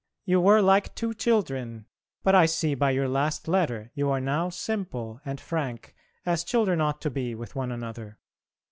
You were like two children, but I see by your last letter you are now simple and frank as children ought to be with one another.